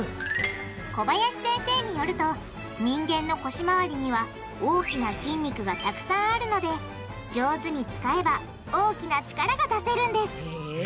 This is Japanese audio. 小林先生によると人間の腰回りには大きな筋肉がたくさんあるので上手に使えば大きな力が出せるんですへぇ。